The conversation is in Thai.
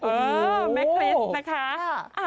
เออแม่คริสนะคะ